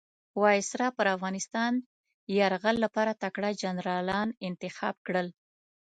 وایسرا پر افغانستان یرغل لپاره تکړه جنرالان انتخاب کړل.